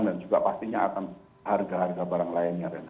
dan juga pastinya akan harga harga barang lainnya